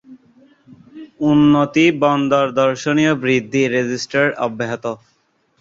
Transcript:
উন্নতি বন্দর দর্শনীয় বৃদ্ধি রেজিস্টার অব্যাহত।